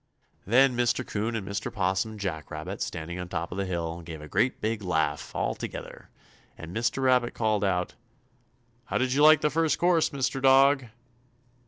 Then Mr. 'Coon and Mr. 'Possum and Jack Rabbit, standing on top of the hill, gave a great big laugh, all together, and Mr. Rabbit called out: "How did you like the first course, Mr. Dog?"